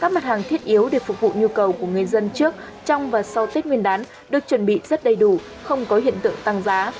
các mặt hàng thiết yếu để phục vụ nhu cầu của người dân trước trong và sau tết nguyên đán được chuẩn bị rất đầy đủ không có hiện tượng tăng giá